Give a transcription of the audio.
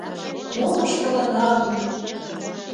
— Мом ыштылынам?